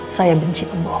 saya benci pembohong